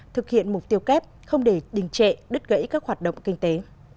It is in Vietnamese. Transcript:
thực hiện mục tiêu kép không để đình trệ đứt gãy các hoạt động kinh tế